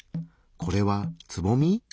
これはつぼみ？